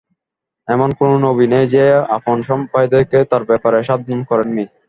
এমন কোন নবী নেই যে, আপন সম্প্রদায়কে তার ব্যাপারে সাবধান করেন নি।